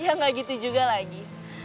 ya nggak gitu juga lagi